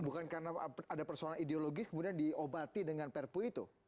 bukan karena ada persoalan ideologis kemudian diobati dengan perpu itu